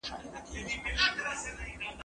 هغه وويل چي خبري ګټوري دي،